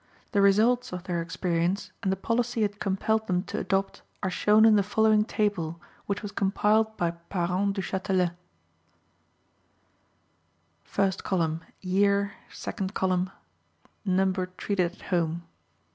The results of their experience, and the policy it compelled them to adopt, are shown in the following table, which was compiled by Parent Duchatelet: Year. Treated at home.